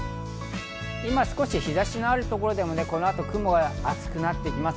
今、少し日差しがある所でも、この後、雲が厚くなってきます。